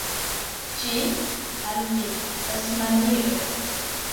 Ĝis al vi, Tasmanio!